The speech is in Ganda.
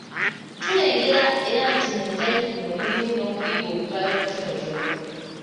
Tulengera era nti mu muzannyo guno mulimu n’okuyiga okubala okutonootono.